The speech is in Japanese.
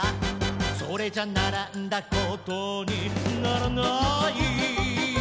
「それじゃならんだことにならない」